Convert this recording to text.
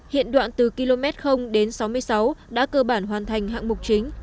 hiện đoạn từ km đến sáu mươi sáu đã cơ bản hoàn thành hạng mục chính